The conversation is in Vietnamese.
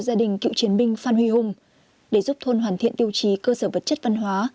gia đình cựu chiến binh phan huy hùng để giúp thôn hoàn thiện tiêu chí cơ sở vật chất văn hóa